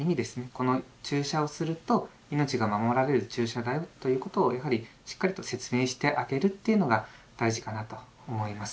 「この注射をすると命が守られる注射だよ」ということをやはりしっかりと説明してあげるというのが大事かなと思います。